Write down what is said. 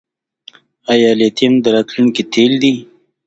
آیا لیتیم د راتلونکي تیل دي؟